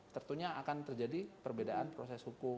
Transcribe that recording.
tentunya akan terjadi perbedaan proses hukum